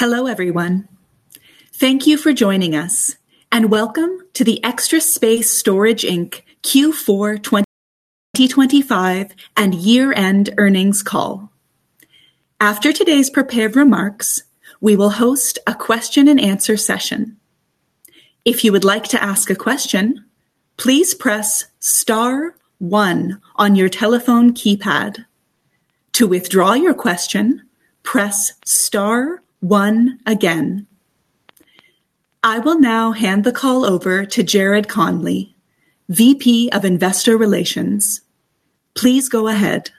Hello, everyone. Thank you for joining us, and welcome to the Extra Space Storage Inc. Q4 2025 and year-end earnings call. After today's prepared remarks, we will host a question-and-answer session. If you would like to ask a question, please press star one on your telephone keypad. To withdraw your question, press star one again. I will now hand the call over to Jared Conley, VP of Investor Relations. Please go ahead.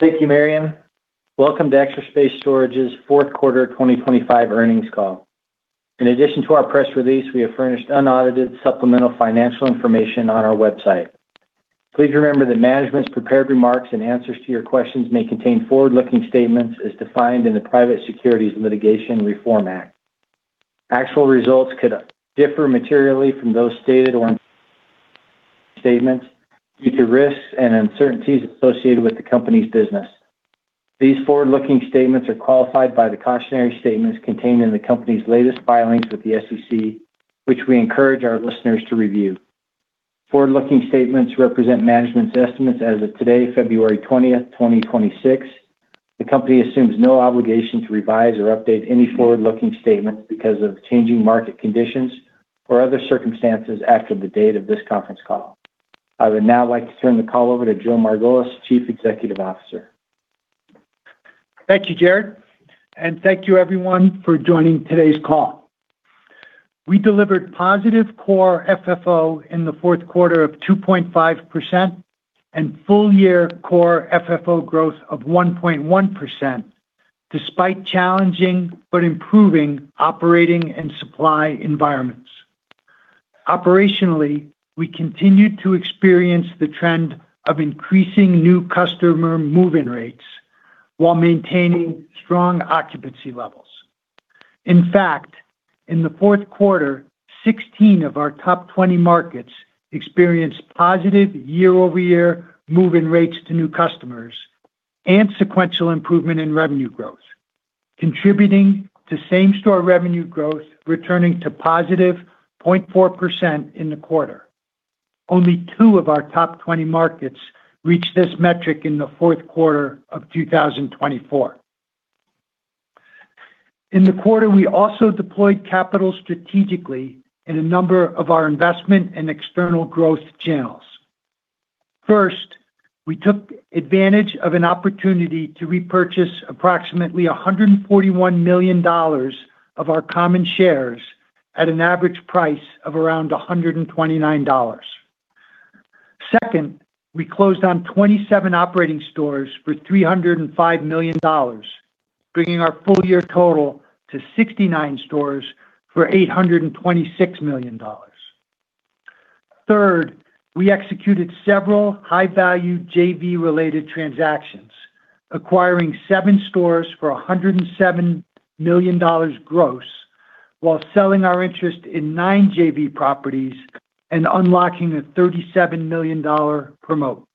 Thank you, Miriam. Welcome to Extra Space Storage's Q4 2025 Earnings Call. In addition to our press release, we have furnished unaudited supplemental financial information on our website. Please remember that management's prepared remarks and answers to your questions may contain forward-looking statements as defined in the Private Securities Litigation Reform Act. Actual results could differ materially from those stated or statements due to risks and uncertainties associated with the company's business. These forward-looking statements are qualified by the cautionary statements contained in the company's latest filings with the SEC, which we encourage our listeners to review. Forward-looking statements represent management's estimates as of today, February 20, 2026. The company assumes no obligation to revise or update any forward-looking statements because of changing market conditions or other circumstances after the date of this conference call. I would now like to turn the call over to Joe Margolis, Chief Executive Officer. Thank you, Jared, and thank you everyone for joining today's call. We delivered positive Core FFO in the Q4 of 2.5% and full-year Core FFO growth of 1.1%, despite challenging but improving operating and supply environments. Operationally, we continued to experience the trend of increasing new customer move-in rates while maintaining strong occupancy levels. In fact, in the Q4, 16 of our top 20 markets experienced positive year-over-year move-in rates to new customers and sequential improvement in revenue growth, contributing to same-store revenue growth, returning to positive 0.4% in the quarter. Only two of our top 20 markets reached this metric in the Q4 of 2024. In the quarter, we also deployed capital strategically in a number of our investment and external growth channels. First, we took advantage of an opportunity to repurchase approximately $141 million of our common shares at an average price of around $129. Second, we closed on 27 operating stores for $305 million, bringing our full-year total to 69 stores for $826 million. Third, we executed several high-value JV-related transactions, acquiring 7 stores for $107 million gross, while selling our interest in 9 JV properties and unlocking a $37 million promote.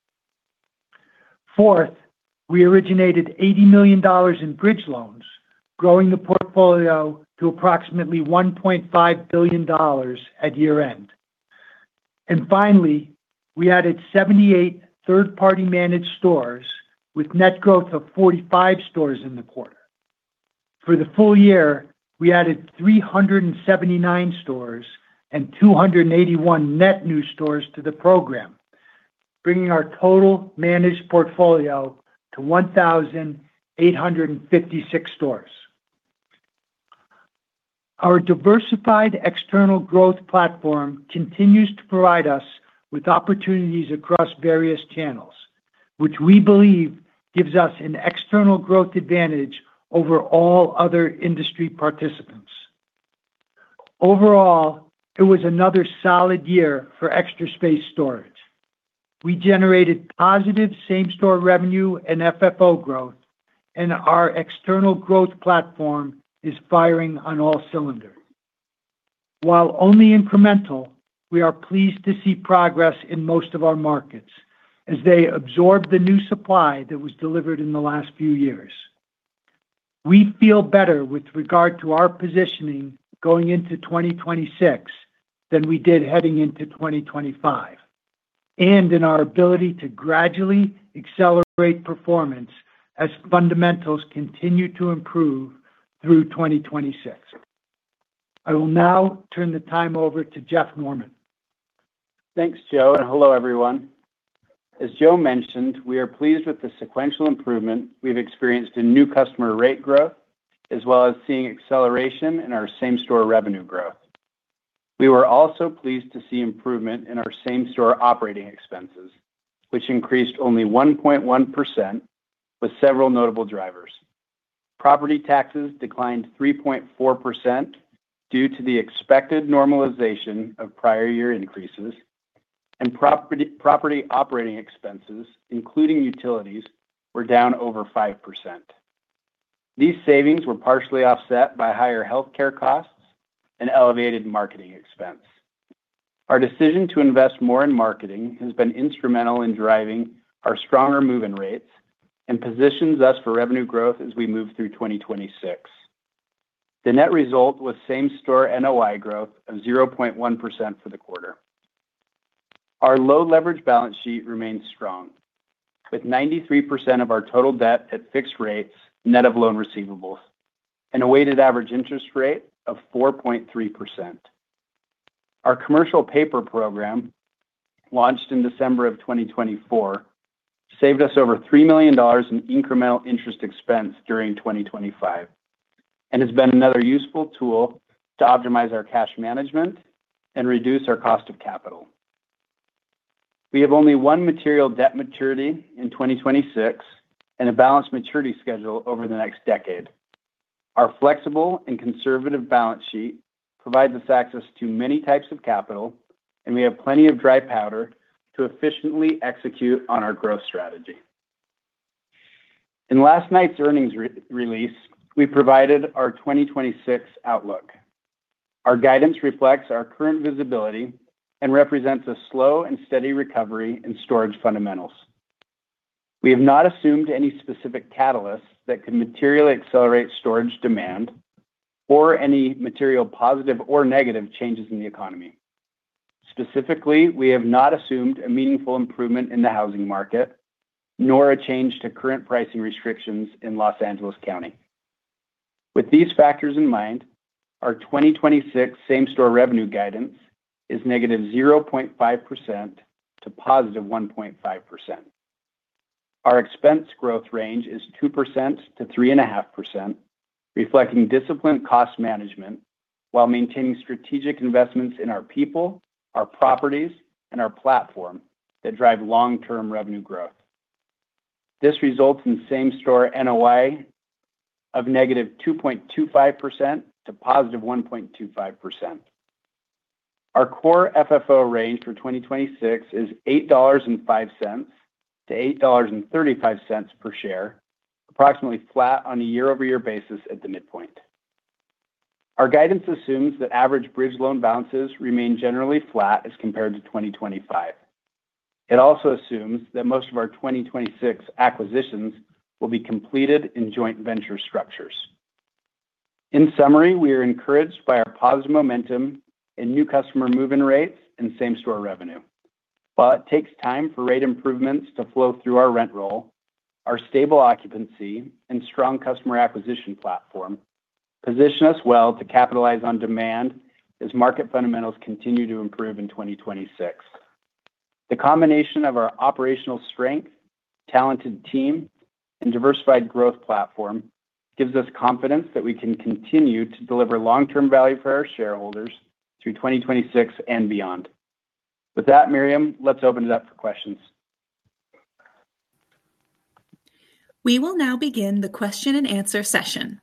Fourth, we originated $80 million in bridge loans, growing the portfolio to approximately $1.5 billion at year-end. And finally, we added 78 third-party managed stores, with net growth of 45 stores in the quarter. For the full year, we added 379 stores and 281 net new stores to the program, bringing our total managed portfolio to 1,856 stores. Our diversified external growth platform continues to provide us with opportunities across various channels, which we believe gives us an external growth advantage over all other industry participants. Overall, it was another solid year for Extra Space Storage. We generated positive same-store revenue and FFO growth, and our external growth platform is firing on all cylinders. While only incremental, we are pleased to see progress in most of our markets as they absorb the new supply that was delivered in the last few years. We feel better with regard to our positioning going into 2026 than we did heading into 2025, and in our ability to gradually accelerate performance as fundamentals continue to improve through 2026. I will now turn the time over to Jeff Norman. Thanks, Joe, and hello, everyone. As Joe mentioned, we are pleased with the sequential improvement we've experienced in new customer rate growth, as well as seeing acceleration in our same-store revenue growth. We were also pleased to see improvement in our same-store operating expenses, which increased only 1.1% with several notable drivers. Property taxes declined 3.4% due to the expected normalization of prior year increases, and property operating expenses, including utilities, were down over 5%. These savings were partially offset by higher healthcare costs and elevated marketing expense. Our decision to invest more in marketing has been instrumental in driving our stronger move-in rates and positions us for revenue growth as we move through 2026. The net result was same-store NOI growth of 0.1% for the quarter. Our low leverage balance sheet remains strong, with 93% of our total debt at fixed rates, net of loan receivables, and a weighted average interest rate of 4.3%. Our commercial paper program, launched in December of 2024, saved us over $3 million in incremental interest expense during 2025, and has been another useful tool to optimize our cash management and reduce our cost of capital. We have only one material debt maturity in 2026 and a balanced maturity schedule over the next decade. Our flexible and conservative balance sheet provides us access to many types of capital, and we have plenty of dry powder to efficiently execute on our growth strategy. In last night's earnings re-release, we provided our 2026 outlook. Our guidance reflects our current visibility and represents a slow and steady recovery in storage fundamentals. We have not assumed any specific catalysts that could materially accelerate storage demand or any material positive or negative changes in the economy. Specifically, we have not assumed a meaningful improvement in the housing market, nor a change to current pricing restrictions in Los Angeles County. With these factors in mind, our 2026 same-store revenue guidance is -0.5% to +1.5%. Our expense growth range is 2%-3.5%, reflecting disciplined cost management while maintaining strategic investments in our people, our properties, and our platform that drive long-term revenue growth. This results in same-store NOI of -2.25% to +1.25%. Our core FFO range for 2026 is $8.05-$8.35 per share, approximately flat on a year-over-year basis at the midpoint. Our guidance assumes that average bridge loan balances remain generally flat as compared to 2025. It also assumes that most of our 2026 acquisitions will be completed in joint venture structures. In summary, we are encouraged by our positive momentum in new customer move-in rates and same-store revenue, but it takes time for rate improvements to flow through our rent roll. Our stable occupancy and strong customer acquisition platform position us well to capitalize on demand as market fundamentals continue to improve in 2026. The combination of our operational strength, talented team, and diversified growth platform gives us confidence that we can continue to deliver long-term value for our shareholders through 2026 and beyond. With that, Miriam, let's open it up for questions. We will now begin the question-and-answer session.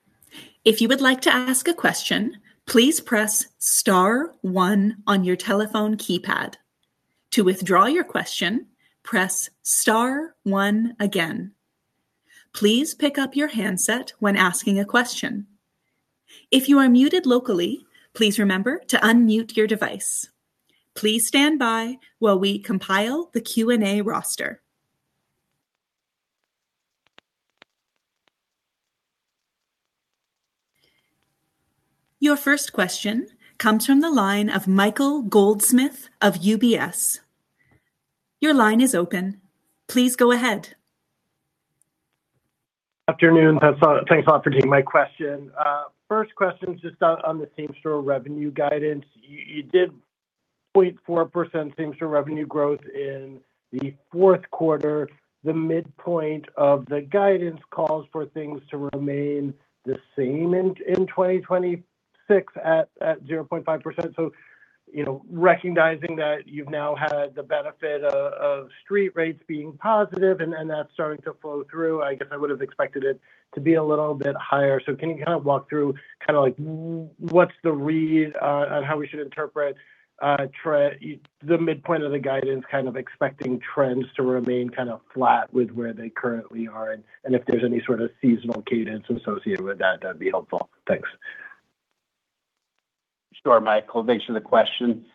If you would like to ask a question, please press star one on your telephone keypad. To withdraw your question, press star one again. Please pick up your handset when asking a question. If you are muted locally, please remember to unmute your device. Please stand by while we compile the Q&A roster. Your first question comes from the line of Michael Goldsmith of UBS. Your line is open. Please go ahead. Afternoon, thanks a lot for taking my question. First question is just on the same-store revenue guidance. You did 0.4% same-store revenue growth in the Q4. The midpoint of the guidance calls for things to remain the same in 2026 at 0.5%. So, you know, recognizing that you've now had the benefit of street rates being positive and that's starting to flow through, I guess I would have expected it to be a little bit higher. So can you kind of walk through kind of like what's the read on how we should interpret the midpoint of the guidance, kind of expecting trends to remain kind of flat with where they currently are, and if there's any sort of seasonal cadence associated with that, that'd be helpful. Thanks. Sure, Michael. Thanks for the question.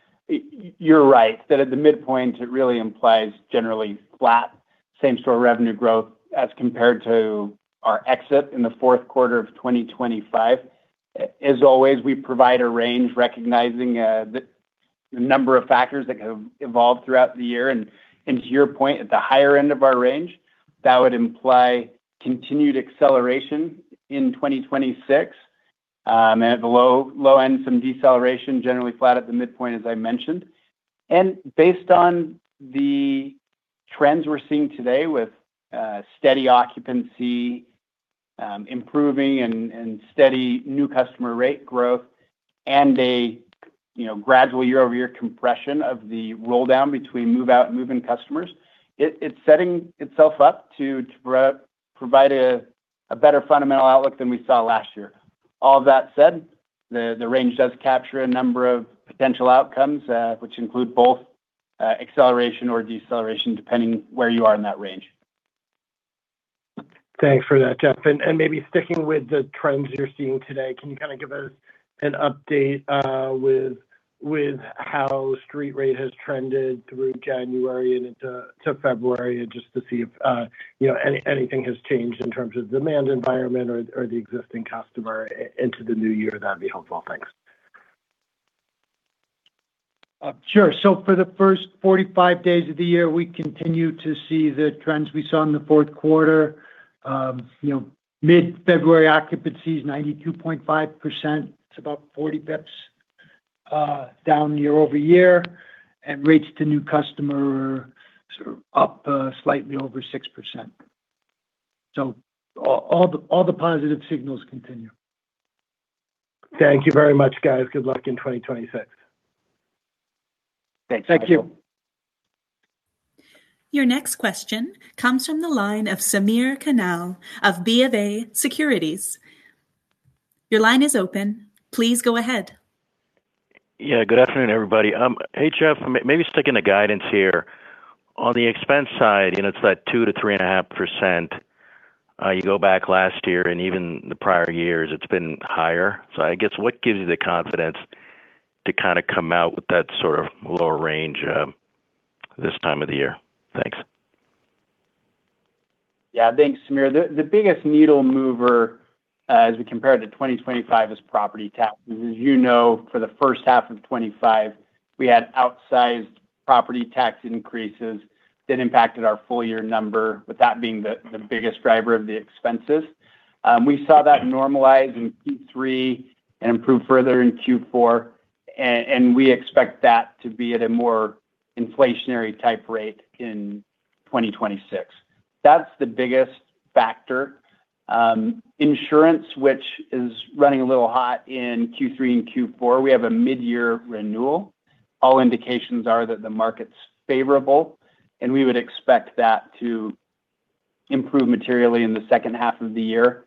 You're right, that at the midpoint, it really implies generally flat same-store revenue growth as compared to our exit in the Q4 of 2025. As always, we provide a range recognizing the number of factors that can evolve throughout the year. And to your point, at the higher end of our range, that would imply continued acceleration in 2026, and at the low end, some deceleration, generally flat at the midpoint, as I mentioned. And based on the trends we're seeing today with steady occupancy, improving and steady new customer rate growth, and a, you know, gradual year-over-year compression of the roll down between move-out and move-in customers, it's setting itself up to provide a better fundamental outlook than we saw last year. All that said, the range does capture a number of potential outcomes, which include both acceleration or deceleration, depending where you are in that range. Thanks for that, Jeff. And maybe sticking with the trends you're seeing today, can you kind of give us an update with how street rate has trended through January and into February, just to see if, you know, anything has changed in terms of demand environment or the existing customer into the new year? That'd be helpful. Thanks. Sure. So for the first 45 days of the year, we continue to see the trends we saw in the Q4. You know, mid-February occupancy is 92.5%. It's about 40 basis points down year-over-year, and rates to new customers are sort of up slightly over 6%. So all the positive signals continue. Thank you very much, guys. Good luck in 2026. Thanks. Thank you. Your next question comes from the line of Samir Khanal of BofA Securities. Your line is open. Please go ahead. Yeah, good afternoon, everybody. Hey, Jeff, maybe sticking to guidance here. On the expense side, you know, it's that 2%-3.5%. You go back last year and even the prior years, it's been higher. So I guess, what gives you the confidence to kind of come out with that sort of lower range, this time of the year? Thanks. Yeah. Thanks, Samir. The biggest needle mover as we compare to 2025 is property taxes. As you know, for the first half of 2025, we had outsized property tax increases that impacted our full year number, with that being the biggest driver of the expenses. We saw that normalize in Q3 and improve further in Q4, and we expect that to be at a more inflationary type rate in 2026. That's the biggest factor. Insurance, which is running a little hot in Q3 and Q4, we have a mid-year renewal. All indications are that the market's favorable, and we would expect that to improve materially in the second half of the year.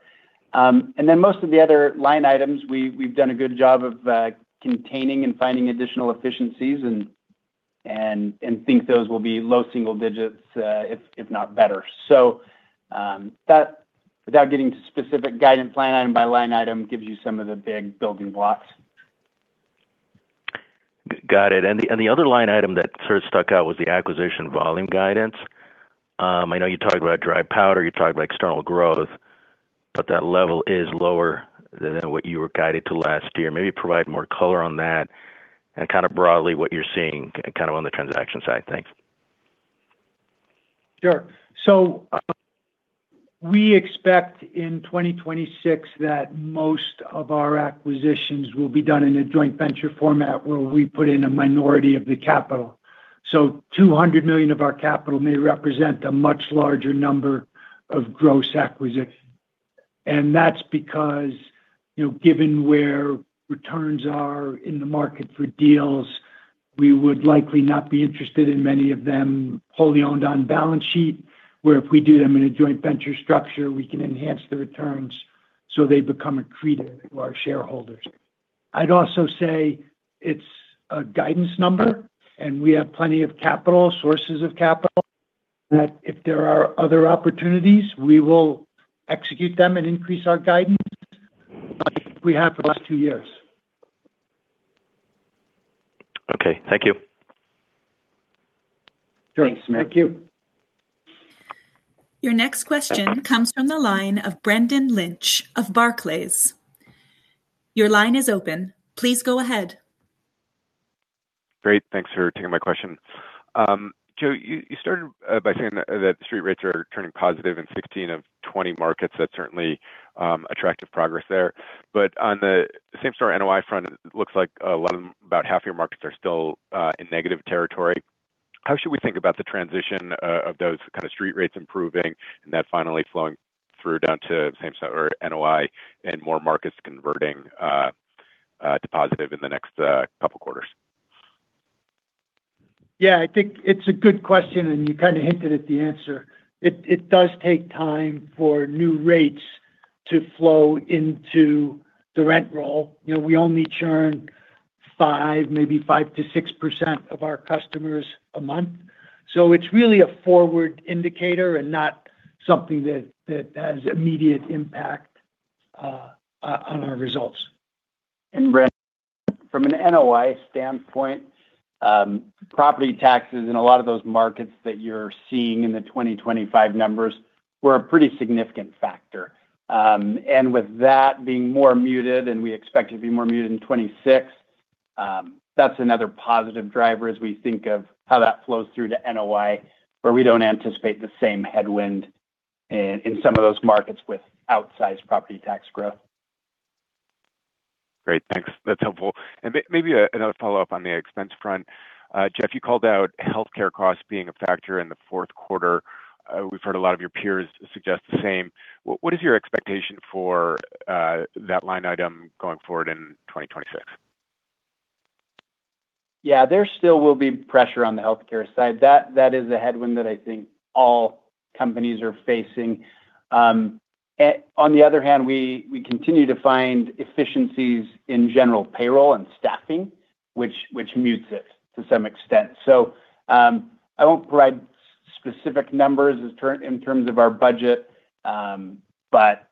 And then most of the other line items, we've done a good job of containing and finding additional efficiencies and think those will be low single digits, if not better. So that, without getting to specific guidance line item by line item, gives you some of the big building blocks. Got it. And the other line item that sort of stuck out was the acquisition volume guidance. I know you talked about dry powder, you talked about external growth, but that level is lower than what you were guided to last year. Maybe provide more color on that and kind of broadly what you're seeing kind of on the transaction side. Thanks. Sure. So, we expect in 2026 that most of our acquisitions will be done in a joint venture format, where we put in a minority of the capital. So $200 million of our capital may represent a much larger number of gross acquisition. And that's because, you know, given where returns are in the market for deals, we would likely not be interested in many of them wholly owned on balance sheet, where if we do them in a joint venture structure, we can enhance the returns so they become accretive to our shareholders. I'd also say it's a guidance number, and we have plenty of capital, sources of capital, that if there are other opportunities, we will execute them and increase our guidance like we have for the last two years. Okay. Thank you. Sure. Thank you. Thanks, Sameer. Your next question comes from the line of Brendan Lynch of Barclays. Your line is open. Please go ahead. Great. Thanks for taking my question. Joe, you, you started by saying that street rates are turning positive in 16 of 20 markets. That's certainly attractive progress there. But on the same-store NOI front, it looks like a lot of, about half your markets are still in negative territory. How should we think about the transition of those kind of street rates improving and that finally flowing through down to same-store NOI and more markets converting to positive in the next couple quarters? Yeah, I think it's a good question, and you kind of hinted at the answer. It, it does take time for new rates to flow into the rent roll. You know, we only churn 5, maybe 5%-6% of our customers a month. So it's really a forward indicator and not something that, that has immediate impact on our results. Brendan, from an NOI standpoint, property taxes in a lot of those markets that you're seeing in the 2025 numbers were a pretty significant factor. And with that being more muted, and we expect it to be more muted in 2026, that's another positive driver as we think of how that flows through to NOI, where we don't anticipate the same headwind in some of those markets with outsized property tax growth. Great. Thanks. That's helpful. And maybe another follow-up on the expense front. Jeff, you called out healthcare costs being a factor in the Q4. We've heard a lot of your peers suggest the same. What is your expectation for that line item going forward in 2026? Yeah, there still will be pressure on the healthcare side. That, that is a headwind that I think all companies are facing. On the other hand, we continue to find efficiencies in general payroll and staffing, which mutes it to some extent. So, I won't provide specific numbers in terms of our budget, but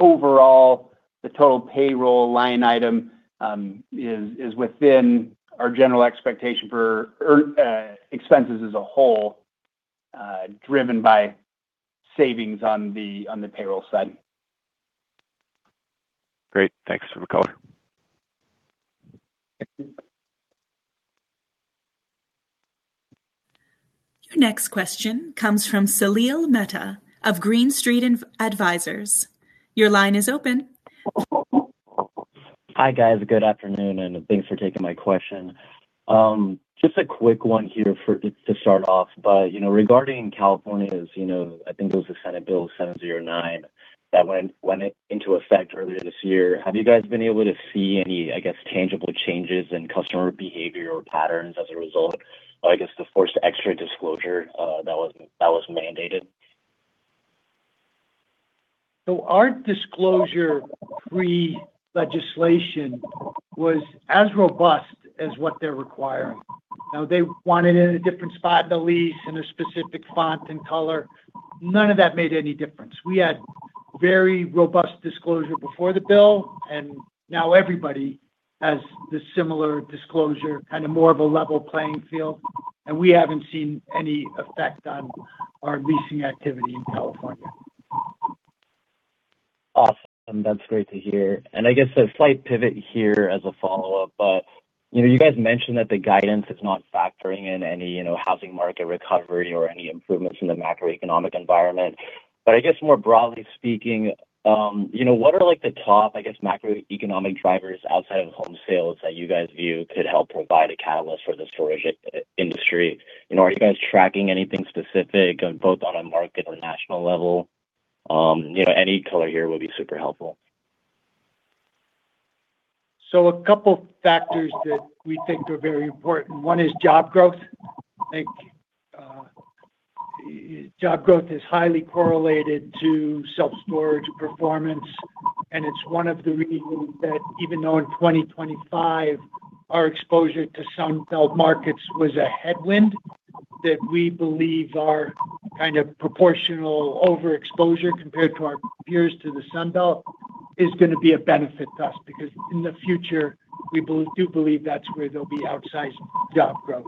overall, the total payroll line item is within our general expectation for our expenses as a whole, driven by savings on the payroll side. Great. Thanks, Have a good day. Your next question comes from Salil Mehta of Green Street Advisors. Your line is open. Hi, guys. Good afternoon, and thanks for taking my question. Just a quick one here to start off, but, you know, regarding California's, you know, I think it was the Senate Bill 709, that went into effect earlier this year. Have you guys been able to see any, I guess, tangible changes in customer behavior or patterns as a result, or I guess, the forced extra disclosure that was mandated? So our disclosure pre-legislation was as robust as what they're requiring. Now, they want it in a different spot in the lease, in a specific font and color. None of that made any difference. We had very robust disclosure before the bill, and now everybody has the similar disclosure, kind of more of a level playing field, and we haven't seen any effect on our leasing activity in California. Awesome. That's great to hear. I guess a slight pivot here as a follow-up, but, you know, you guys mentioned that the guidance is not factoring in any, you know, housing market recovery or any improvements in the macroeconomic environment. I guess more broadly speaking, you know, what are like the top, I guess, macroeconomic drivers outside of home sales that you guys view could help provide a catalyst for the storage industry? You know, are you guys tracking anything specific, both on a market or national level? You know, any color here will be super helpful. So a couple factors that we think are very important. One is job growth. I think, job growth is highly correlated to self-storage performance, and it's one of the reasons that even though in 2025, our exposure to Sun Belt markets was a headwind, that we believe are kind of proportional overexposure compared to our peers, to the Sun Belt, is going to be a benefit to us, because in the future, we believe-- do believe that's where there'll be outsized job growth.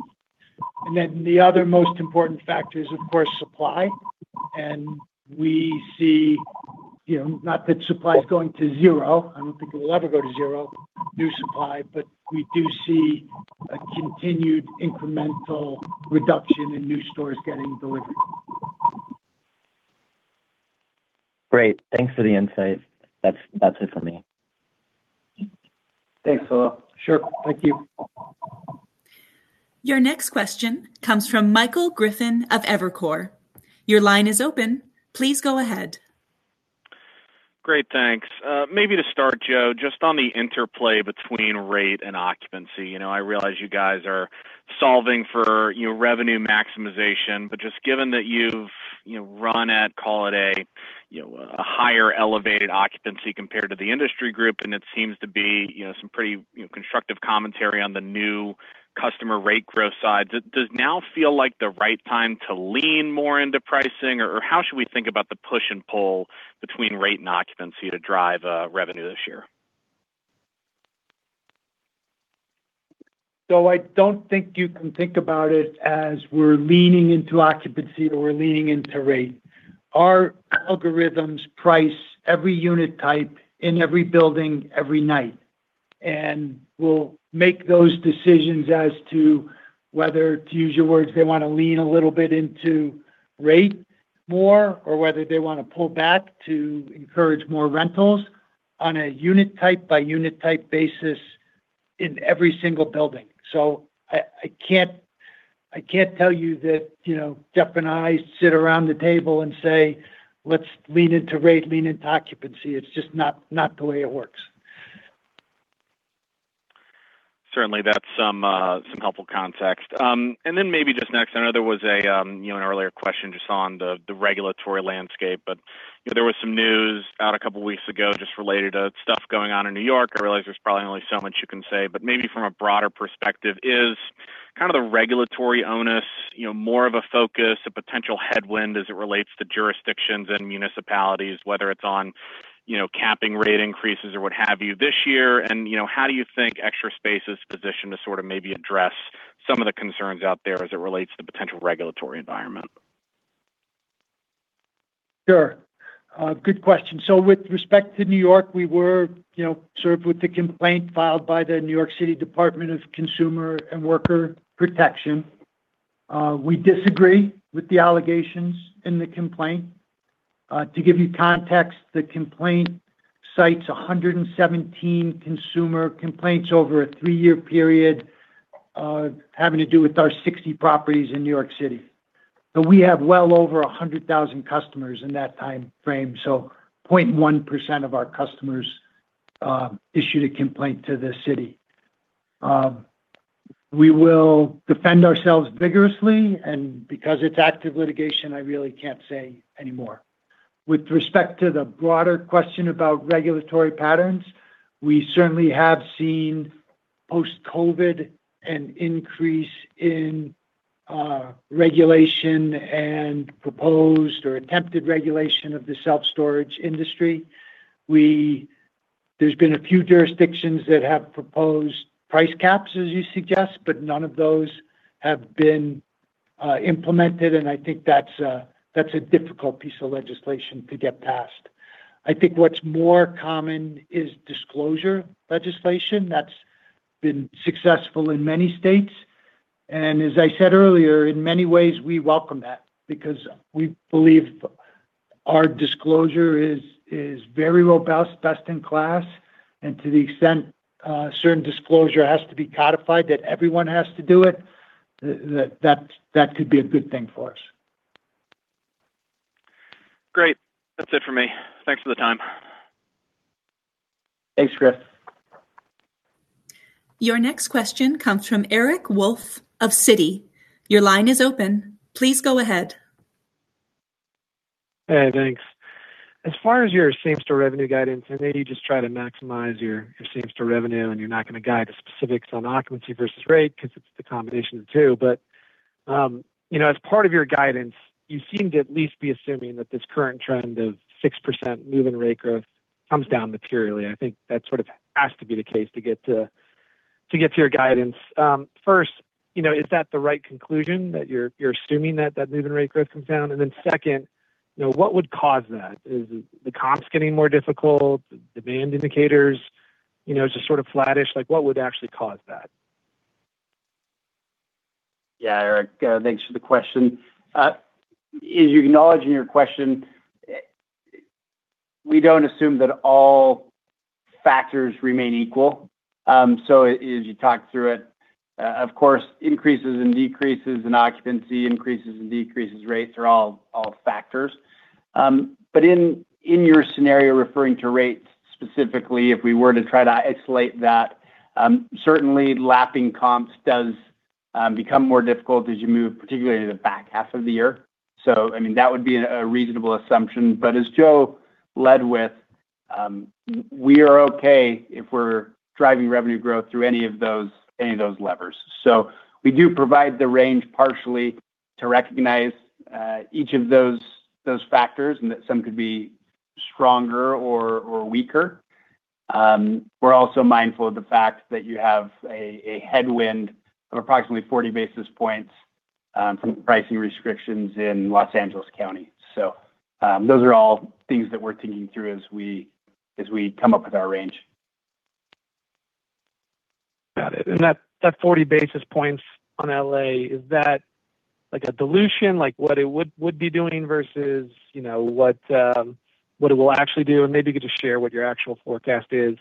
And then the other most important factor is, of course, supply. And we see, you know, not that supply is going to zero, I don't think it will ever go to zero, new supply, but we do see a continued incremental reduction in new stores getting delivered. Great. Thanks for the insight. That's, that's it for me. Thanks, Salil. Sure. Thank you. Your next question comes from Michael Griffin of Evercore. Your line is open. Please go ahead. Great, thanks. Maybe to start, Joe, just on the interplay between rate and occupancy. You know, I realize you guys are solving for, you know, revenue maximization, but just given that you've, you know, run at, call it a, you know, a higher elevated occupancy compared to the industry group, and it seems to be, you know, some pretty, you know, constructive commentary on the new customer rate growth side. Does it now feel like the right time to lean more into pricing, or how should we think about the push and pull between rate and occupancy to drive revenue this year? So I don't think you can think about it as we're leaning into occupancy or we're leaning into rate. Our algorithms price every unit type in every building, every night, and we'll make those decisions as to whether, to use your words, they want to lean a little bit into rate more, or whether they want to pull back to encourage more rentals on a unit type by unit type basis in every single building. So I can't tell you that, you know, Jeff and I sit around the table and say, "Let's lean into rate, lean into occupancy." It's just not the way it works. Certainly, that's some some helpful context. And then maybe just next, I know there was a you know, an earlier question just on the the regulatory landscape, but you know, there was some news out a couple of weeks ago just related to stuff going on in New York. I realize there's probably only so much you can say, but maybe from a broader perspective, is kind of the regulatory onus you know, more of a focus, a potential headwind as it relates to jurisdictions and municipalities, whether it's on you know, capping rate increases or what have you this year. And you know, how do you think Extra Space is positioned to sort of maybe address some of the concerns out there as it relates to the potential regulatory environment? Sure. Good question. So with respect to New York, we were, you know, served with the complaint filed by the New York City Department of Consumer and Worker Protection. We disagree with the allegations in the complaint. To give you context, the complaint cites 117 consumer complaints over a three-year period, having to do with our 60 properties in New York City. But we have well over 100,000 customers in that time frame, so 0.1% of our customers issued a complaint to the city. We will defend ourselves vigorously, and because it's active litigation, I really can't say any more. With respect to the broader question about regulatory patterns, we certainly have seen post-COVID an increase in regulation and proposed or attempted regulation of the self-storage industry. There's been a few jurisdictions that have proposed price caps, as you suggest, but none of those have been implemented, and I think that's a difficult piece of legislation to get passed. I think what's more common is disclosure legislation that's been successful in many states, and as I said earlier, in many ways, we welcome that because we believe our disclosure is very robust, best-in-class, and to the extent certain disclosure has to be codified, that everyone has to do it, that could be a good thing for us. Great. That's it for me. Thanks for the time. Thanks, Griff. Your next question comes from Eric Wolfe of Citi. Your line is open. Please go ahead. Hey, thanks. As far as your same-store revenue guidance, I know you just try to maximize your same-store revenue, and you're not gonna guide to specifics on occupancy versus rate, 'cause it's the combination of the two. But, you know, as part of your guidance, you seem to at least be assuming that this current trend of 6% move-in rate growth comes down materially. I think that sort of has to be the case to get to your guidance. First, you know, is that the right conclusion, that you're assuming that that move-in rate growth comes down? And then second, you know, what would cause that? Is the comps getting more difficult, demand indicators, you know, just sort of flattish? Like, what would actually cause that? Yeah, Eric, thanks for the question. As you acknowledge in your question, we don't assume that all factors remain equal. So as you talk through it, of course, increases and decreases in occupancy, increases and decreases rates are all factors. But in your scenario, referring to rates, specifically, if we were to try to isolate that, certainly, lapping comps does become more difficult as you move, particularly in the back half of the year. So, I mean, that would be a reasonable assumption. But as Joe led with, we are okay if we're driving revenue growth through any of those levers. So we do provide the range partially to recognize each of those factors and that some could be stronger or weaker. We're also mindful of the fact that you have a headwind of approximately 40 basis points from pricing restrictions in Los Angeles County. So, those are all things that we're thinking through as we come up with our range. Got it. And that, that 40 basis points on LA, is that like a dilution, like what it would, would be doing versus, you know, what, what it will actually do? And maybe you could just share what your actual forecast is,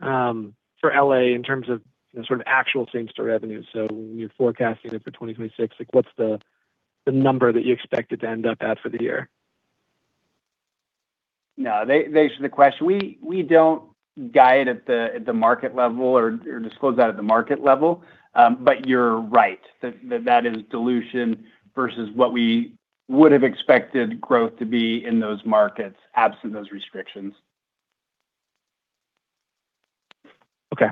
for LA in terms of the sort of actual same-store revenue. So when you're forecasting it for 2026, like, what's the, the number that you expect it to end up at for the year? No, thanks for the question. We don't guide at the market level or disclose that at the market level, but you're right. That is dilution versus what we would have expected growth to be in those markets, absent those restrictions. Okay.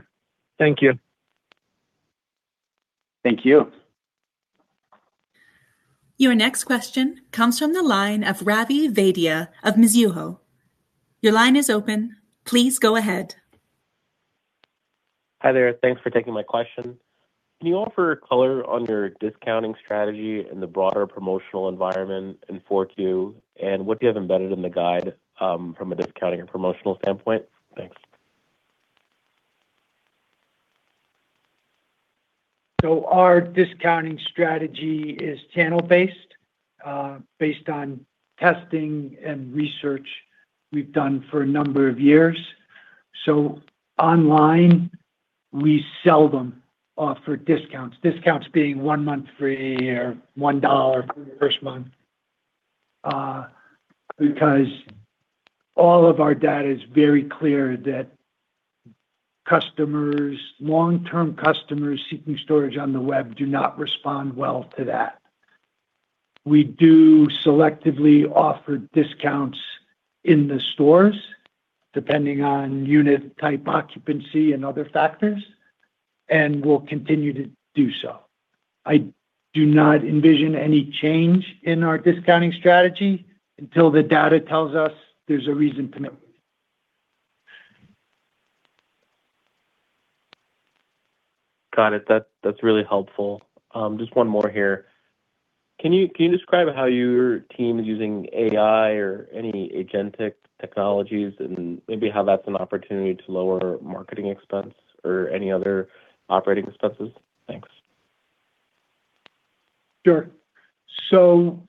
Thank you. Thank you. Your next question comes from the line of Ravi Vaidya of Mizuho. Your line is open. Please go ahead. Hi there. Thanks for taking my question. Can you offer color on your discounting strategy and the broader promotional environment in 4Q? And what do you have embedded in the guide from a discounting and promotional standpoint? Thanks. So our discounting strategy is channel-based, based on testing and research we've done for a number of years. So online, we seldom offer discounts, discounts being one month free or $1 for the first month, because all of our data is very clear that customers, long-term customers seeking storage on the web do not respond well to that. We do selectively offer discounts in the stores, depending on unit type, occupancy, and other factors, and we'll continue to do so. I do not envision any change in our discounting strategy until the data tells us there's a reason to know. Got it. That's really helpful. Just one more here. Can you describe how your team is using AI or any agentic technologies, and maybe how that's an opportunity to lower marketing expense or any other operating expenses? Thanks. Sure. So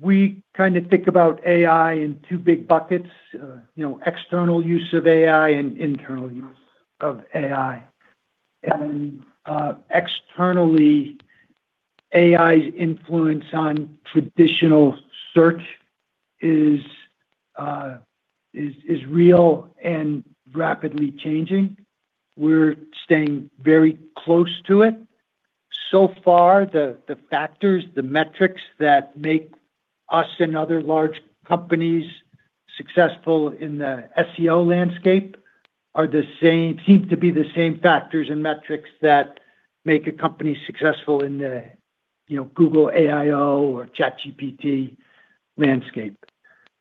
we kind of think about AI in two big buckets, you know, external use of AI and internal use of AI. And externally AI's influence on traditional search is, is real and rapidly changing. We're staying very close to it. So far, the factors, the metrics that make us and other large companies successful in the SEO landscape are the same seem to be the same factors and metrics that make a company successful in the, you know, Google AIO or ChatGPT landscape.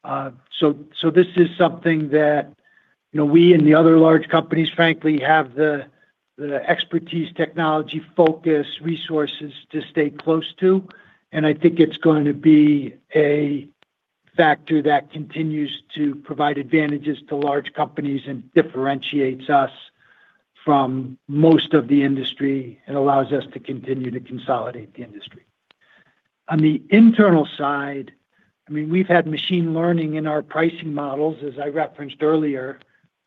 So this is something that, you know, we and the other large companies, frankly, have the expertise, technology, focus, resources to stay close to, and I think it's going to be a factor that continues to provide advantages to large companies and differentiates us from most of the industry, and allows us to continue to consolidate the industry. On the internal side, I mean, we've had machine learning in our pricing models, as I referenced earlier,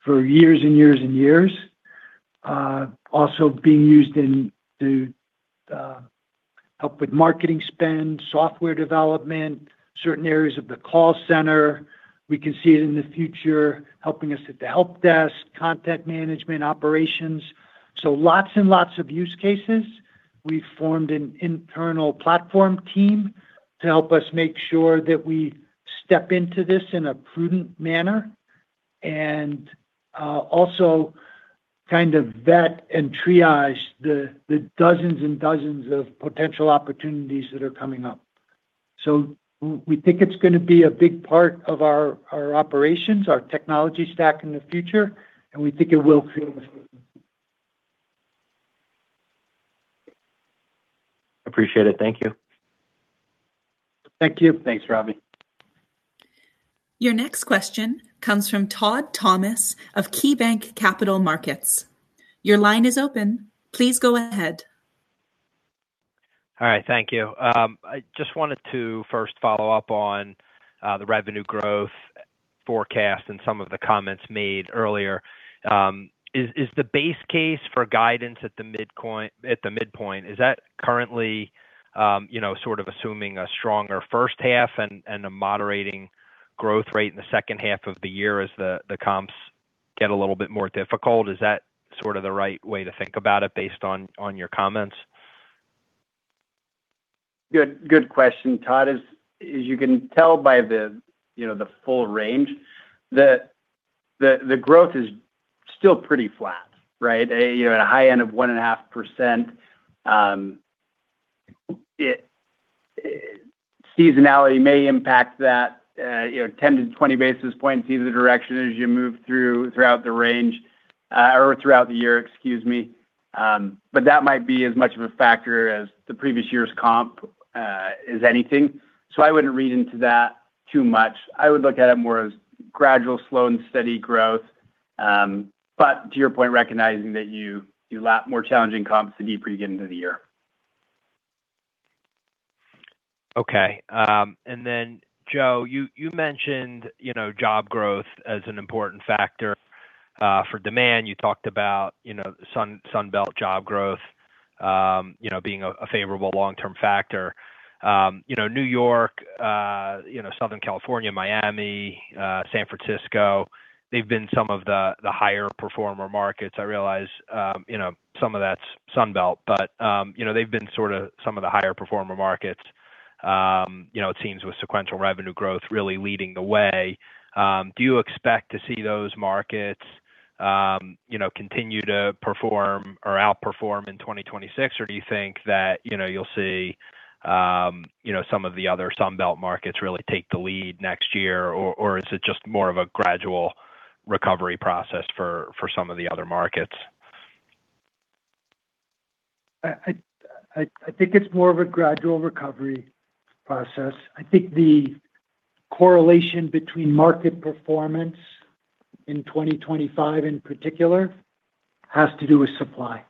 for years and years and years. Also being used into help with marketing spend, software development, certain areas of the call center. We can see it in the future, helping us at the help desk, content management, operations. So lots and lots of use cases. We've formed an internal platform team to help us make sure that we step into this in a prudent manner, and also kind of vet and triage the dozens and dozens of potential opportunities that are coming up. So we think it's gonna be a big part of our operations, our technology stack in the future, and we think it will feel the same. Appreciate it. Thank you. Thank you. Thanks, Ravi. Your next question comes from Todd Thomas of KeyBanc Capital Markets. Your line is open. Please go ahead. All right, thank you. I just wanted to first follow up on the revenue growth forecast and some of the comments made earlier. Is the base case for guidance at the midpoint, at the midpoint, currently you know, sort of assuming a stronger first half and a moderating growth rate in the second half of the year as the comps get a little bit more difficult? Is that sort of the right way to think about it, based on your comments? Good, good question, Todd. As you can tell by the full range, you know, the growth is still pretty flat, right? You know, at a high end of 1.5%, seasonality may impact that, you know, 10-20 basis points either direction as you move throughout the range or throughout the year, excuse me. But that might be as much of a factor as the previous year's comp as anything. So I wouldn't read into that too much. I would look at it more as gradual, slow, and steady growth, but to your point, recognizing that you lot more challenging comps to be pretty getting into the year. Okay. And then, Joe, you mentioned, you know, job growth as an important factor for demand. You talked about, you know, Sun Belt job growth, you know, being a favorable long-term factor. You know, New York, you know, Southern California, Miami, San Francisco, they've been some of the higher performer markets. I realize, you know, some of that's Sun Belt, but, you know, they've been sorta some of the higher performer markets, you know, it seems, with sequential revenue growth really leading the way. Do you expect to see those markets, you know, continue to perform or outperform in 2026, or do you think that, you know, you'll see, you know, some of the other Sun Belt markets really take the lead next year, or, or is it just more of a gradual recovery process for, for some of the other markets? I think it's more of a gradual recovery process. I think the correlation between market performance in 2025, in particular, has to do with supply,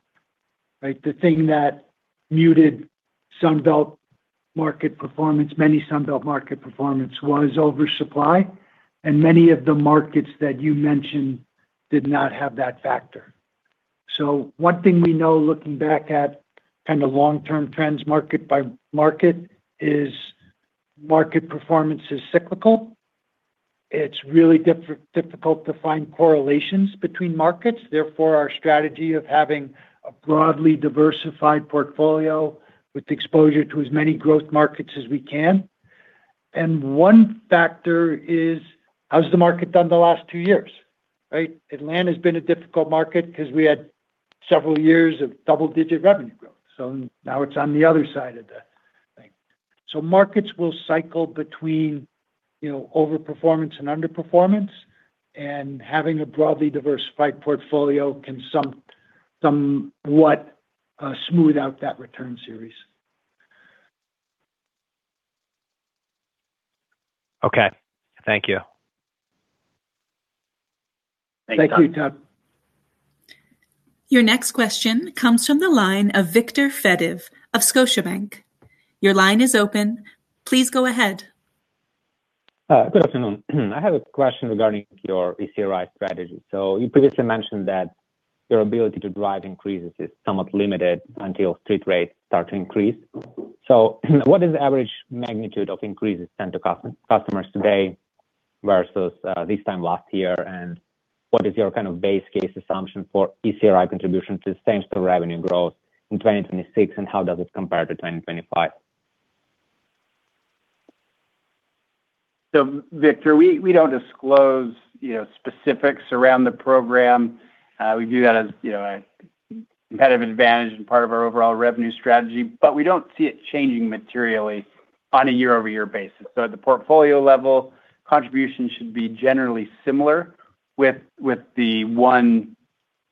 right? The thing that muted Sun Belt market performance, many Sun Belt market performance, was oversupply, and many of the markets that you mentioned did not have that factor. So one thing we know, looking back at kind of long-term trends, market by market, is market performance is cyclical. It's really difficult to find correlations between markets. Therefore, our strategy of having a broadly diversified portfolio with exposure to as many growth markets as we can. And one factor is, how's the market done the last two years, right? Atlanta's been a difficult market 'cause we had several years of double-digit revenue growth, so now it's on the other side of the thing. So markets will cycle between, you know, overperformance and underperformance, and having a broadly diversified portfolio can somewhat smooth out that return series. Okay. Thank you. Thank you, Todd. Your next question comes from the line of Victor Fedev of Scotiabank. Your line is open. Please go ahead. Good afternoon. I have a question regarding your ECRI strategy. So you previously mentioned that your ability to drive increases is somewhat limited until street rates start to increase. So, what is the average magnitude of increases sent to customers today versus this time last year? And what is your kind of base case assumption for ECRI contribution to same-store revenue growth in 2026, and how does it compare to 2025? So Victor, we don't disclose, you know, specifics around the program. We view that as, you know, a competitive advantage and part of our overall revenue strategy, but we don't see it changing materially on a year-over-year basis. So at the portfolio level, contribution should be generally similar with the one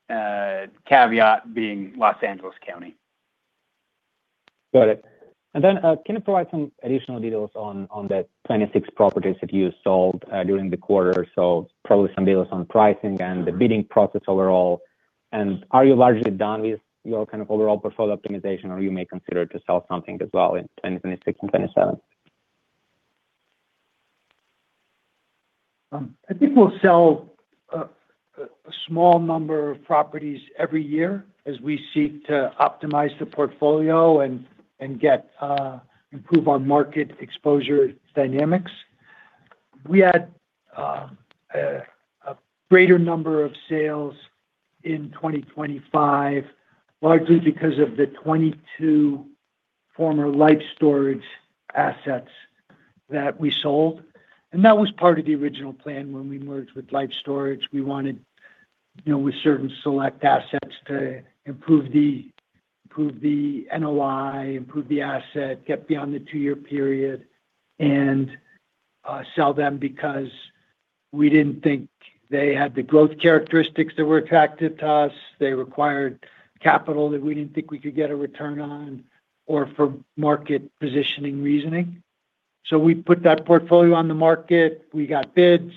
caveat being Los Angeles County. Got it. And then, can you provide some additional details on, on the 26 properties that you sold, during the quarter? So probably some details on pricing and the bidding process overall. And are you largely done with your kind of overall portfolio optimization, or you may consider to sell something as well in 2026 and 2027? I think we'll sell a small number of properties every year as we seek to optimize the portfolio and get improve on market exposure dynamics. We had a greater number of sales in 2025, largely because of the 22 former Life Storage assets that we sold, and that was part of the original plan when we merged with Life Storage. We wanted, you know, with certain select assets to improve the NOI, improve the asset, get beyond the two-year period, and sell them because we didn't think they had the growth characteristics that were attractive to us. They required capital that we didn't think we could get a return on, or for market positioning reasoning. So we put that portfolio on the market, we got bids,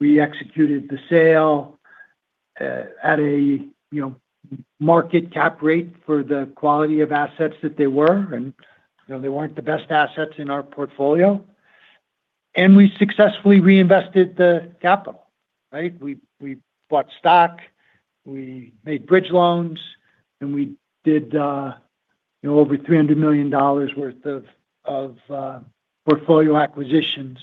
we executed the sale at a, you know, market cap rate for the quality of assets that they were, and, you know, they weren't the best assets in our portfolio. And we successfully reinvested the capital, right? We bought stock, we made bridge loans, and we did, you know, over $300 million worth of portfolio acquisitions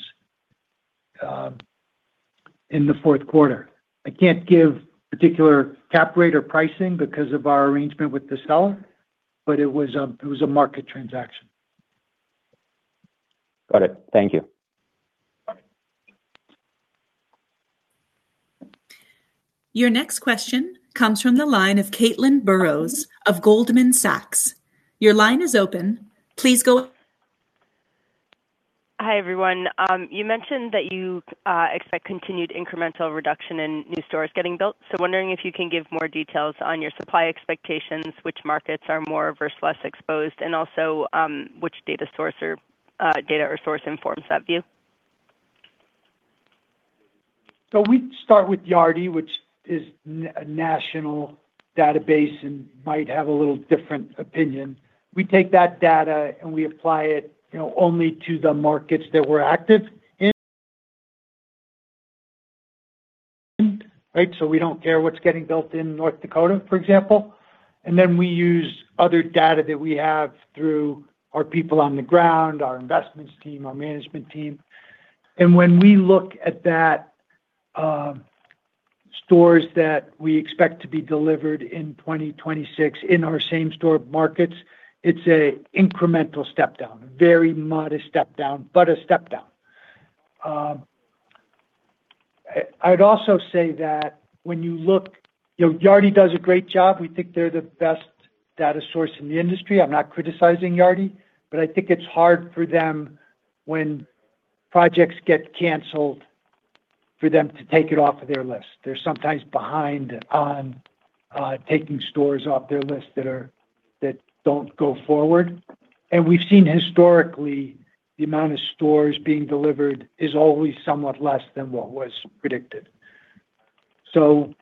in the Q4. I can't give particular cap rate or pricing because of our arrangement with the seller, but it was a market transaction. Got it. Thank you. Bye. Your next question comes from the line of Caitlin Burrows of Goldman Sachs. Your line is open. Please go- Hi, everyone. You mentioned that you expect continued incremental reduction in new stores getting built. So wondering if you can give more details on your supply expectations, which markets are more versus less exposed, and also, which data source or data or source informs that view? So we start with Yardi, which is a national database and might have a little different opinion. We take that data and we apply it, you know, only to the markets that we're active in. Right, so we don't care what's getting built in North Dakota, for example. And then we use other data that we have through our people on the ground, our investments team, our management team. And when we look at that, stores that we expect to be delivered in 2026 in our same store markets, it's an incremental step down, a very modest step down, but a step down. I'd also say that when you look, you know, Yardi does a great job. We think they're the best data source in the industry. I'm not criticizing Yardi, but I think it's hard for them when projects get canceled, for them to take it off of their list. They're sometimes behind on taking stores off their list that are, that don't go forward. And we've seen historically, the amount of stores being delivered is always somewhat less than what was predicted. So,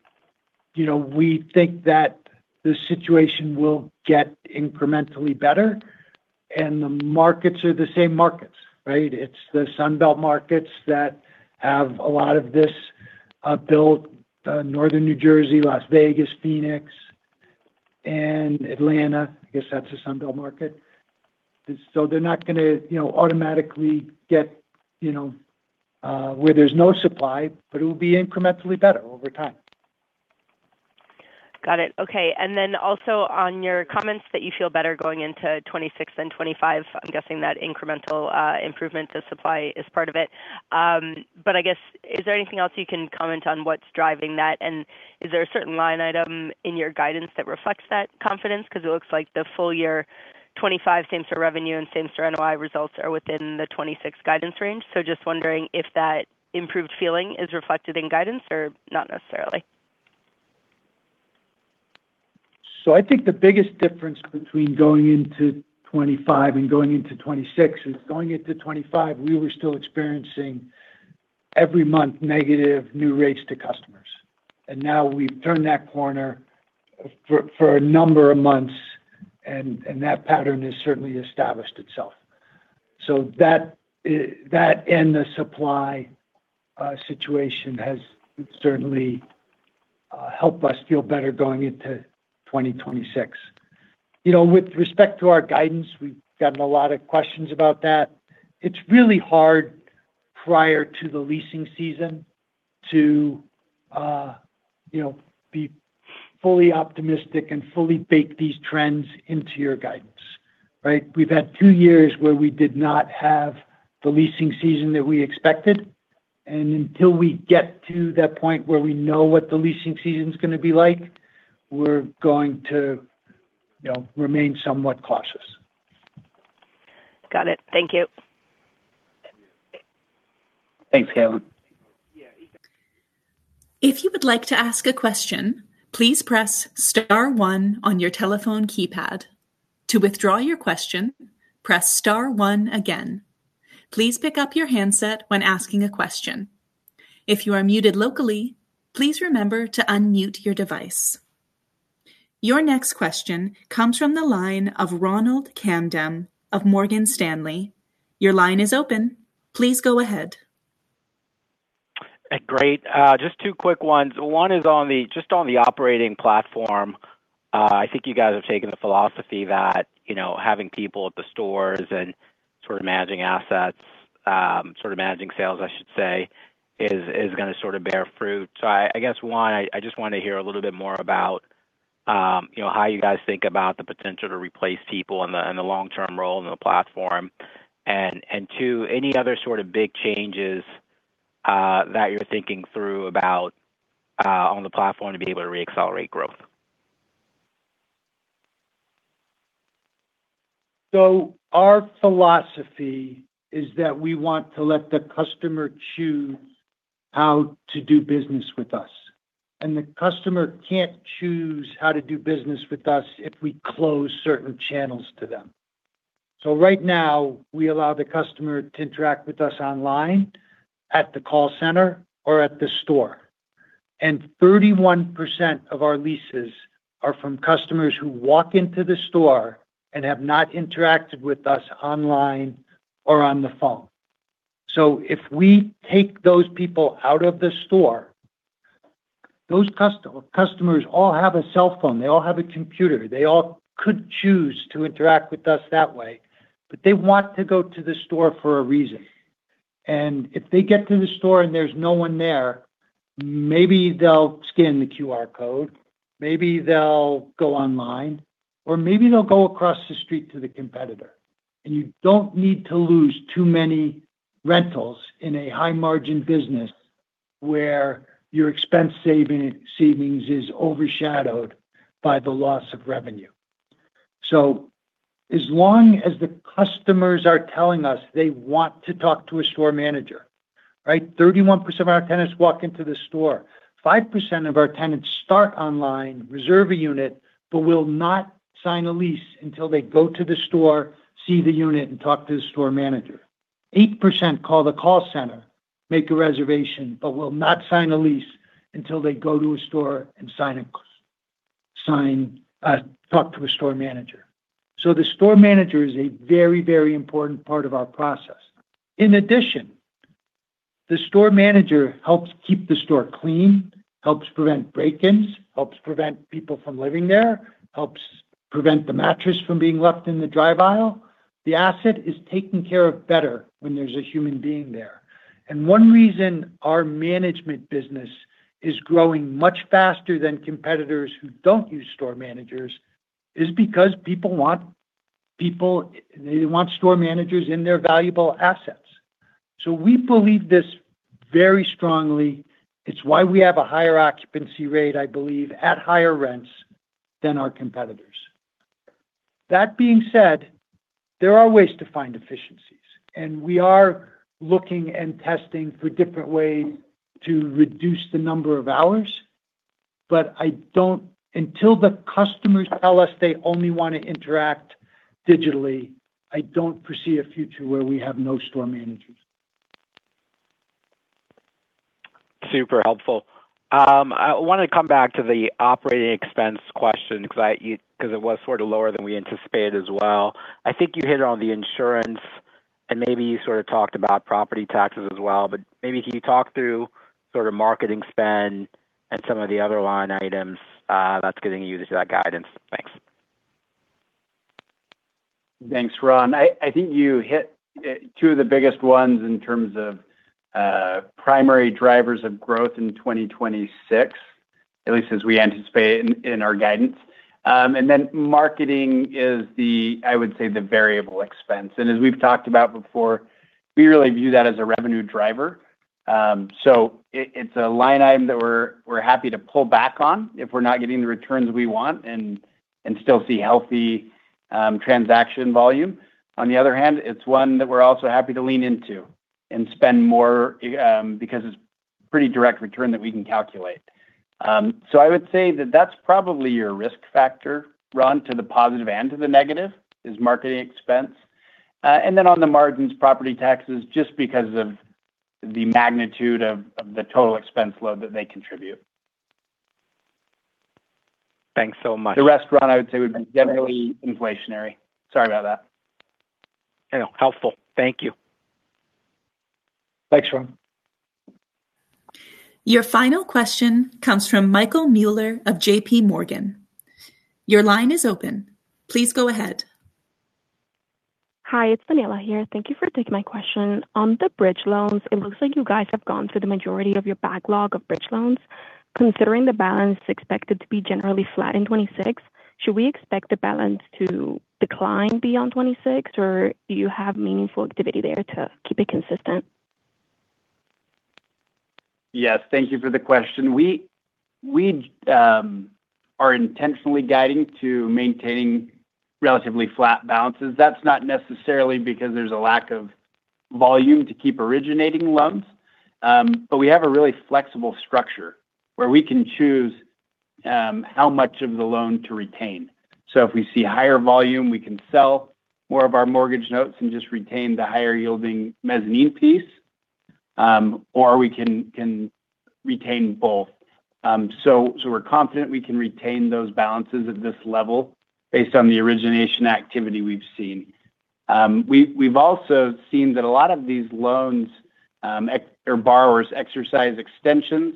you know, we think that the situation will get incrementally better, and the markets are the same markets, right? It's the Sun Belt markets that have a lot of this built northern New Jersey, Las Vegas, Phoenix, and Atlanta. I guess that's a Sun Belt market. So they're not gonna, you know, automatically get, you know, where there's no supply, but it'll be incrementally better over time. Got it. Okay, and then also on your comments that you feel better going into 2026 than 2025, I'm guessing that incremental improvement to supply is part of it. But I guess, is there anything else you can comment on what's driving that? And is there a certain line item in your guidance that reflects that confidence? Because it looks like the full year 2025 same-store revenue and same-store NOI results are within the 2026 guidance range. So just wondering if that improved feeling is reflected in guidance or not necessarily. So I think the biggest difference between going into 2025 and going into 2026 is going into 2025, we were still experiencing every month, negative new rates to customers... And now we've turned that corner for a number of months, and that pattern has certainly established itself. So that is, that and the supply situation has certainly helped us feel better going into 2026. You know, with respect to our guidance, we've gotten a lot of questions about that. It's really hard prior to the leasing season to, you know, be fully optimistic and fully bake these trends into your guidance, right? We've had two years where we did not have the leasing season that we expected, and until we get to that point where we know what the leasing season's gonna be like, we're going to, you know, remain somewhat cautious. Got it. Thank you. Thanks, Caitlin. If you would like to ask a question, please press star one on your telephone keypad. To withdraw your question, press star one again. Please pick up your handset when asking a question. If you are muted locally, please remember to unmute your device. Your next question comes from the line of Ronald Kamdem of Morgan Stanley. Your line is open. Please go ahead. Great. Just two quick ones. One is just on the operating platform. I think you guys have taken the philosophy that, you know, having people at the stores and sort of managing assets, sort of managing sales, I should say, is gonna sort of bear fruit. So I guess one, I just wanted to hear a little bit more about, you know, how you guys think about the potential to replace people in the long-term role in the platform, and two, any other sort of big changes that you're thinking through about on the platform to be able to re-accelerate growth? So our philosophy is that we want to let the customer choose how to do business with us, and the customer can't choose how to do business with us if we close certain channels to them. So right now, we allow the customer to interact with us online, at the call center, or at the store, and 31% of our leases are from customers who walk into the store and have not interacted with us online or on the phone. So if we take those people out of the store, those customers all have a cell phone, they all have a computer. They all could choose to interact with us that way, but they want to go to the store for a reason. If they get to the store and there's no one there, maybe they'll scan the QR code, maybe they'll go online, or maybe they'll go across the street to the competitor. You don't need to lose too many rentals in a high-margin business where your expense saving, savings is overshadowed by the loss of revenue. So as long as the customers are telling us they want to talk to a store manager, right? 31% of our tenants walk into the store. 5% of our tenants start online, reserve a unit, but will not sign a lease until they go to the store, see the unit, and talk to the store manager. 8% call the call center, make a reservation, but will not sign a lease until they go to a store and talk to a store manager. So the store manager is a very, very important part of our process. In addition, the store manager helps keep the store clean, helps prevent break-ins, helps prevent people from living there, helps prevent the mattress from being left in the dry aisle. The asset is taken care of better when there's a human being there. And one reason our management business is growing much faster than competitors who don't use store managers is because people want people... They want store managers in their valuable assets. So we believe this very strongly. It's why we have a higher occupancy rate, I believe, at higher rents than our competitors. That being said, there are ways to find efficiencies, and we are looking and testing for different ways to reduce the number of hours, but until the customers tell us they only want to interact digitally, I don't foresee a future where we have no store managers. Super helpful. I wanted to come back to the operating expense question because it was sort of lower than we anticipated as well. I think you hit on the insurance, and maybe you sort of talked about property taxes as well, but maybe can you talk through sort of marketing spend and some of the other line items that's getting you to that guidance? Thanks. Thanks, Ron. I think you hit two of the biggest ones in terms of primary drivers of growth in 2026, at least as we anticipate in our guidance. And then marketing is the, I would say, the variable expense. And as we've talked about before, we really view that as a revenue driver. So it, it's a line item that we're happy to pull back on if we're not getting the returns we want and still see healthy transaction volume. On the other hand, it's one that we're also happy to lean into and spend more because it's pretty direct return that we can calculate. So I would say that that's probably your risk factor, Ron, to the positive and to the negative, is marketing expense.... And then on the margins, property taxes, just because of the magnitude of the total expense load that they contribute. Thanks so much. The rest, Ron, I would say, would be definitely inflationary. Sorry about that. No, helpful. Thank you. Thanks, Ron. Your final question comes from Michael Mueller of JP Morgan. Your line is open. Please go ahead. Hi, it's Daniela here. Thank you for taking my question. On the bridge loans, it looks like you guys have gone through the majority of your backlog of bridge loans. Considering the balance is expected to be generally flat in 2026, should we expect the balance to decline beyond 2026, or do you have meaningful activity there to keep it consistent? Yes. Thank you for the question. We are intentionally guiding to maintaining relatively flat balances. That's not necessarily because there's a lack of volume to keep originating loans, but we have a really flexible structure where we can choose how much of the loan to retain. So if we see higher volume, we can sell more of our mortgage notes and just retain the higher-yielding mezzanine piece, or we can retain both. We're confident we can retain those balances at this level based on the origination activity we've seen. We've also seen that a lot of these loans or borrowers exercise extensions.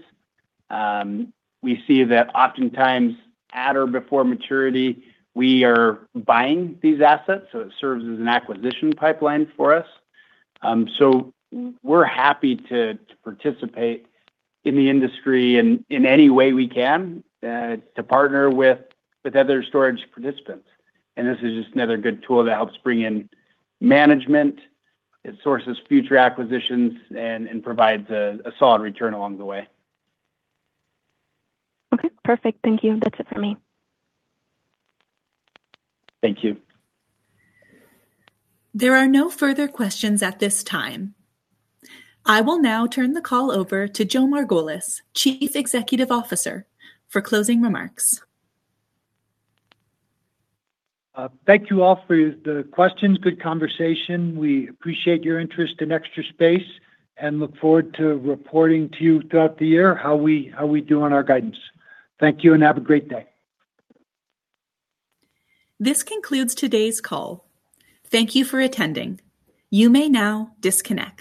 We see that oftentimes at or before maturity. We are buying these assets, so it serves as an acquisition pipeline for us. So we're happy to participate in the industry in any way we can to partner with other storage participants. And this is just another good tool that helps bring in management, it sources future acquisitions, and provides a solid return along the way. Okay, perfect. Thank you. That's it for me. Thank you. There are no further questions at this time. I will now turn the call over to Joe Margolis, Chief Executive Officer, for closing remarks. Thank you all for the questions. Good conversation. We appreciate your interest in Extra Space and look forward to reporting to you throughout the year, how we, how we do on our guidance. Thank you, and have a great day. This concludes today's call. Thank you for attending. You may now disconnect.